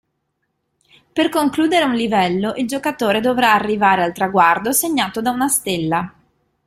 Per concludere un livello il giocatore dovrà arrivare al traguardo segnato da una Stella.